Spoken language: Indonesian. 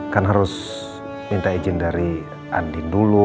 kan harus minta izin dari andin dulu